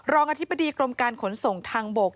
อธิบดีกรมการขนส่งทางบก